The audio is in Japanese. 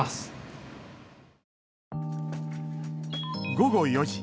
午後４時。